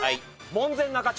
門前仲町。